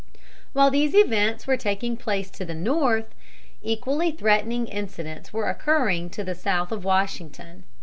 While these events were taking place to the north, equally threatening incidents were occurring to the south of Washington.